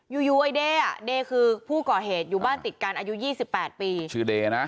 อยู่อยู่ไอเด่อ่ะเด่คือผู้ก่อเหตุอยู่บ้านติดการอายุยี่สิบแปดปีชื่อเด่นะ